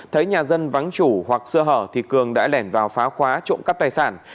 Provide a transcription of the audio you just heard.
thấy nhà dân vắng chủ hoặc sơ hở thì cường đã lẻn vào phá khóa trộm cắp tài sản